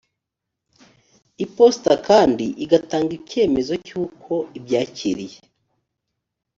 iposita kandi igatanga icyemezo cy’uko ibyakiriye